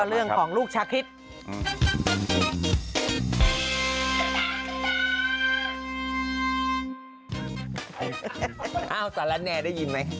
เอ้าสรแนน่ได้ยินมั้ย